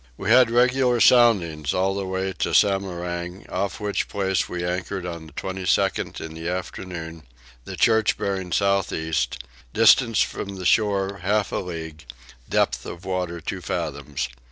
We had regular soundings all the way to Samarang, off which place we anchored on the 22nd in the afternoon; the church bearing south east; distance from the shore half a league: depth of water two fathoms.